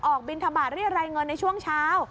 ออกบิณฑบาตเรียนไรเงินในช่วงเช้า